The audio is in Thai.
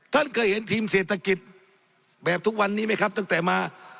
ท่านเคยเห็นทีมเศรษฐกิจแบบทุกวันนี้ไหมครับตั้งแต่มา